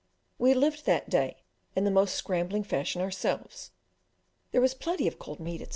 We lived that day in the most scrambling fashion ourselves; there was plenty of cold meat, etc.